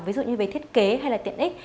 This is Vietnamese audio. ví dụ như về thiết kế hay là tiện ích